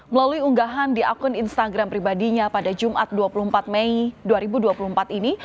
melalui unggahan di akun instagram pribadinya pada jumat dua puluh empat mei dua ribu dua puluh empat ini